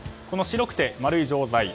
この白くて丸い錠剤。